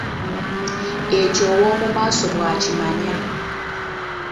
Ekyo ow’omu maaso bw’akimanya.